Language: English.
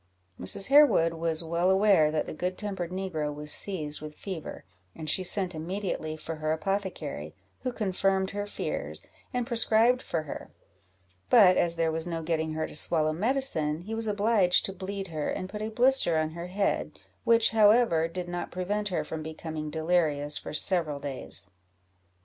Mrs. Harewood was well aware that the good tempered negro was seized with fever, and she sent immediately for her apothecary, who confirmed her fears, and prescribed for her; but as there was no getting her to swallow medicine, he was obliged to bleed her, and put a blister on her head, which, however, did not prevent her from becoming delirious for several days.